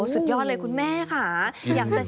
สุดยอดเลยคุณแม่ค่ะอยากจะชิมจังเลยค่ะ